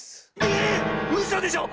ええ⁉うそでしょ